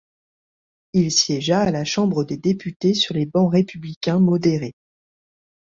Il siégea, à la Chambre des députés, sur les bancs républicains modérés.